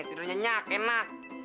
tidurnya nyak enak